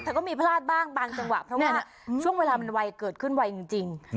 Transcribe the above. ก็มีพลาดบ้างบางจังหวะเพราะว่าช่วงเวลามันไวเกิดขึ้นไวจริง